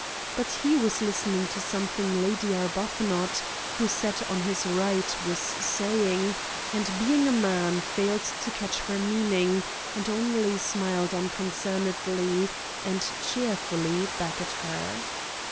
But he was listening to something Lady Arbuthnot, who sat on his right, was saying, and, being a man, failed to catch her meaning, and only smiled unconcernedly and cheerfully back at her.